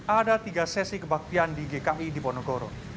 ada tiga sesi kebaktian di gki di ponegoro